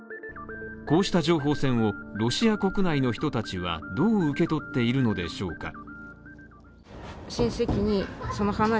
こうした情報戦をロシア国内の人たちはどう受け取っているのでしょうか。